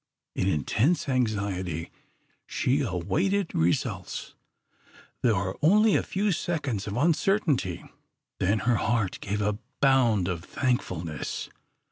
In intense anxiety she awaited results. There were only a few seconds of uncertainty, then her heart gave a bound of thankfulness.